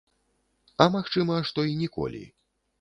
А магчыма, што і ніколі.